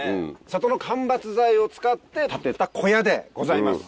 里の間伐材を使って建てた小屋でございます。